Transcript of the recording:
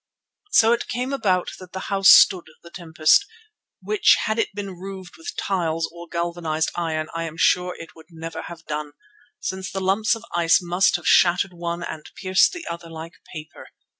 So it came about that the house stood the tempest, which had it been roofed with tiles or galvanized iron I am sure it would never have done, since the lumps of ice must have shattered one and pierced the other like paper.